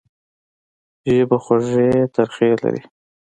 ژوند خوږې ترخې لري.